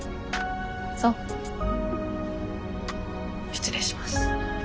失礼します。